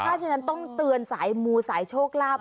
เพราะฉะนั้นต้องเตือนสายมูสายโชคลาภ